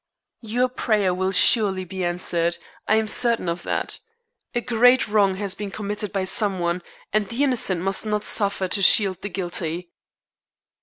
"Your prayer will surely be answered. I am certain of that. A great wrong has been committed by some one, and the innocent must not suffer to shield the guilty."